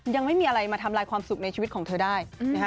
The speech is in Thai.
ยังไม่มีอะไรมาทำลายความสุขในชีวิตของเธอได้นะฮะ